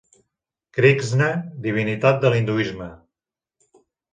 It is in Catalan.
Krixna, divinitat de l'hinduisme.